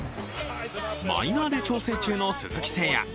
マイナーで調整中の鈴木誠也。